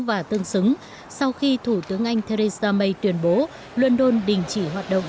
và tương xứng sau khi thủ tướng anh theresa may tuyên bố london đình chỉ hoạt động